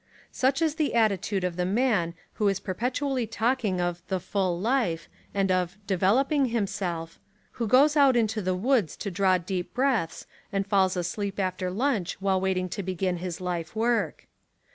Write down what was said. Such is the attitude of the man who is perpet 178 The Lot of the Schoolmaster ually talking of the "full life" and of "develop ing himself," who goes out into the woods to draw deep breaths and falls asleep after lunch while waiting to begin his life work.